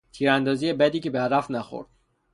تیراندازی بدی که به هدف نخورد